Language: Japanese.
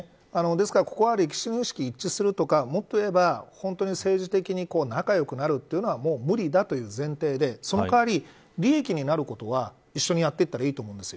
ですからここは歴史認識が一致するとかもっと言えば、政治的に仲よくなるというのはもう無理だという前提でその代わり、利益になることを一緒にやっていったらいいと思うんです。